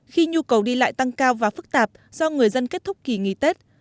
khi nhu cầu đi lại tăng cao và phức tạp do người dân kết thúc kỳ nghỉ tết